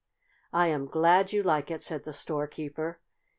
"I am glad you like it," said the storekeeper.